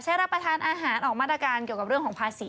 รับประทานอาหารออกมาตรการเกี่ยวกับเรื่องของภาษี